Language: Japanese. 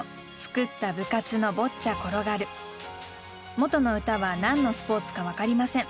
元の歌は何のスポーツか分かりません。